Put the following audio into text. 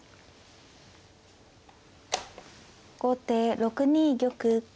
後手６二玉。